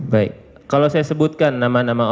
baik kalau saya sebutkan nama nama